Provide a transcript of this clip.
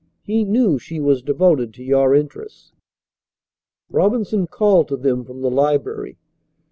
He knew she was devoted to your interests." Robinson called to them from the library.